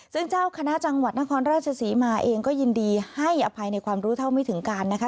ซึ่งเจ้าคณะจังหวัดนครราชศรีมาเองก็ยินดีให้อภัยในความรู้เท่าไม่ถึงการนะคะ